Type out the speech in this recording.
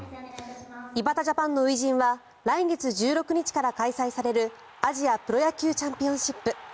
井端ジャパンの初陣は来月１６日から開催されるアジアプロ野球チャンピオンシップ。